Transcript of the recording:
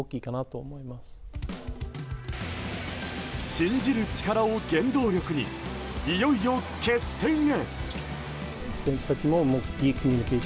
信じる力を原動力にいよいよ決戦へ。